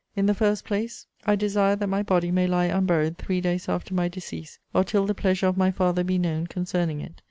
In the first place, I desire that my body may lie unburied three days after my decease, or till the pleasure of my father be known concerning it.